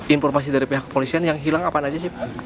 informasi dari pihak polisian yang hilang apaan saja